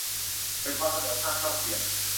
เกิดความเสมอภาค เท่าเทียม